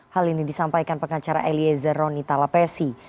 hal ini disampaikan pengacara eliezer ronita lopesi